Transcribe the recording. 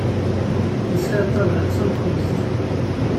Nesɛa ṭṭabla d tamkuẓt.